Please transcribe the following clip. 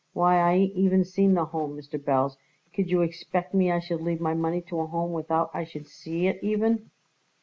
Why, I ain't even seen the Home, Mr. Belz. Could you expect me I should leave my money to a Home without I should see it even?"